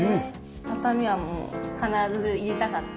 畳は必ず入れたかった。